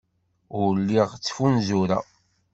Ur lliɣ ttfunzureɣ.